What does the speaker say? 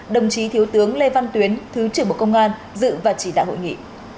đồng chí thiếu tướng lê văn tuyến thứ trưởng bộ công an dự và chỉ đạo hội nghị